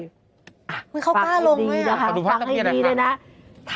มันเขากล้าลงน่ะฝากให้ดีนะคะฝากให้ดีเลยนะฝากให้ดีนะคะ